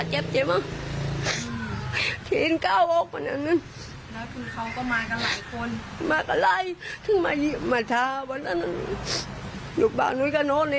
ยิงเผื่อป้องกันตัวมันผูกกระทำก่อน